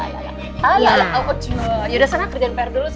yaudah sana kerjain pr dulu